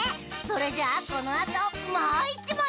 それじゃあこのあともういちもん！